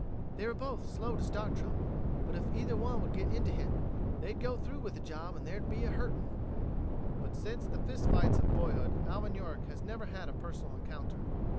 "They were both slow to start trouble, but ef either one would git into hit, they'd go through with the job and there'd be a hurtin'." But since the fist fights of boyhood Alvin York has never had a personal encounter.